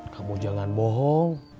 kamu jangan bohong